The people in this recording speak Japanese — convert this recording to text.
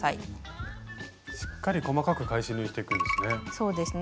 しっかり細かく返し縫いしていくんですね。